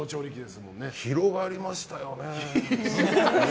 広がりましたよね。